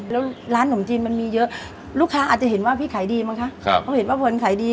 แล้วร้านนมจีนมันมีเยอะลูกค้าอาจจะเห็นว่าพี่ขายดีมั้งคะเพราะเห็นป้าผลขายดี